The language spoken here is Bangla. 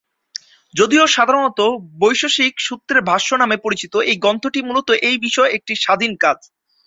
যদিও সাধারণত বৈশেষিক সূত্রের ভাষ্য নামে পরিচিত, এই গ্রন্থটি মূলত এই বিষয়ে একটি স্বাধীন কাজ।